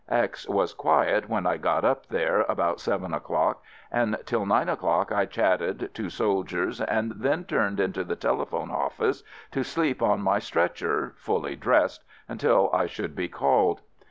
X was quiet when I got up there about seven o'clock, and till nine o'clock I chatted to soldiers and then turned into the telephone office to sleep on my stretcher (fully dressed) until I should be called.